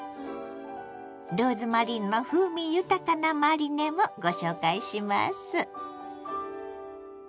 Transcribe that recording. ローズマリーの風味豊かなマリネもご紹介します。